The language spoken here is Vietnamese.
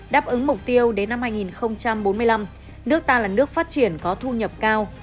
đáp ứng mục tiêu đến năm hai nghìn bốn mươi năm nước ta là nước phát triển có thu nhập cao